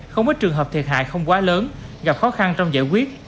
không ít trường hợp thiệt hại không quá lớn gặp khó khăn trong giải quyết